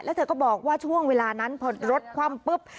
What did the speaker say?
แล้วเธอก็บอกว่าช่วงเวลานั้นพอรถคว่ำปุ๊บ